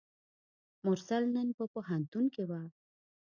مرسل نن په پوهنتون کې وه.